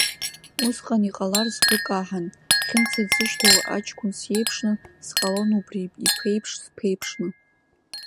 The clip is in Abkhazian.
Усҟан иҟалар сгәы каҳан, Хьымца дзышьҭоу аҷкәын сиеиԥшны, сҟалон убри иԥеиԥш сԥеиԥшны.